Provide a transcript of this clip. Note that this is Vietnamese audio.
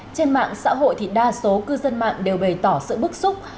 trên mạng xã hội thì đa số cư dân mạng đều bày tỏ sự bức xúc